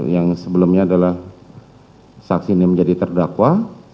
yang sebelumnya adalah saksi ini menjadi terdakwa